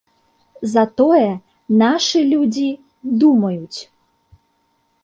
Затое нашы людзі думаюць.